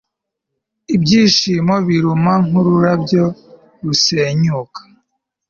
Ibyishimo biruma nkururabyo rusenyuka